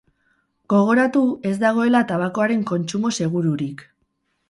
Gogoratu ez dagoela tabakoaren kontsumo segururik.